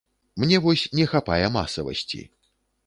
Мне вось не хапае масавасці.